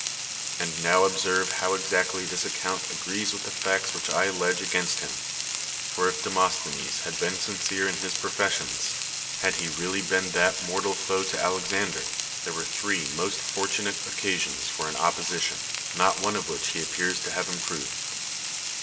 And now observe how exactly this account agrees with the facts which I allege against him; for if Demosthenes had Ijeen sincere in his pro 2;g ESCHINES fessions, had he really been that mortal foe to Alexander, there were three most fortunate oe casions for an 0})p() .iti(Hi. not one of which lie appears to have im])rove(l.